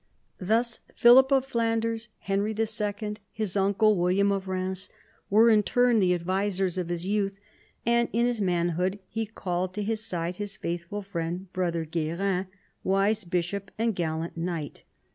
Thus Philip of Flanders, Henry II. , his uncle, William of Eheims, were, in turn, the advisers of his youth ; and in his manhood he called to his side his faithful friend, brother Guerin, wise bishop and gallant knight.